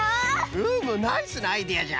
うむナイスなアイデアじゃ！